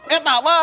eh tak bah